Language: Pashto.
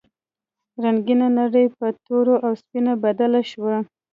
رنګینه نړۍ په توره او سپینه بدله شوه.